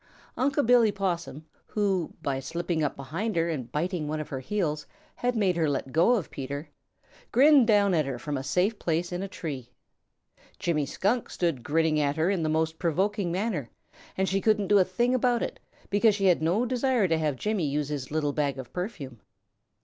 Unc' Billy Possum, who, by slipping up behind her and biting one of her heels, had made her let go of Peter, grinned down at her from a safe place in a tree. Jimmy Skunk stood grinning at her in the most provoking manner, and she couldn't do a thing about it, because she had no desire to have Jimmy use his little bag of perfume.